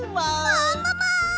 ももも！